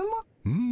うん。